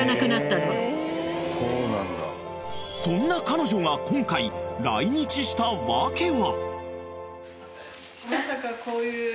［そんな彼女が今回来日した訳は］